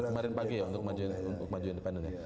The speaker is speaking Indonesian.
kemarin pagi ya untuk maju independen ya